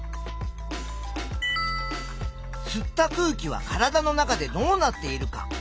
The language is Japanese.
「吸った空気は体の中でどうなっている」か？